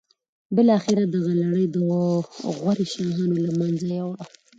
بالاخره دغه لړۍ د غوري شاهانو له منځه یوړه.